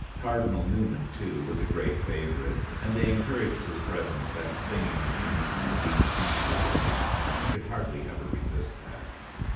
Cardinal Newman, too, was a great favourite, and they encouraged his presence by the singing in unison of "Lead, kindly Light": he could hardly ever resist that...